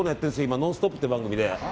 「ノンストップ！」っていう番組で。